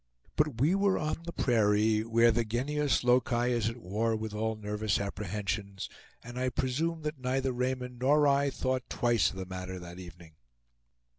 But we were on the prairie, where the GENIUS LOCI is at war with all nervous apprehensions; and I presume that neither Raymond nor I thought twice of the matter that evening.